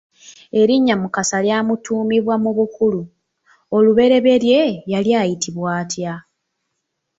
Erinnya Mukasa lyamutuumibwa mu bukulu, olubereberye yali ayitibwa atya?